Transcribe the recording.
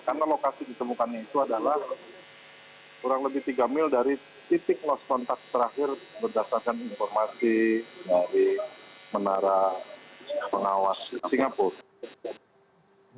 karena lokasi ditemukan itu adalah kurang lebih tiga mil dari titik los montes terakhir berdasarkan informasi dari menara penawas singapura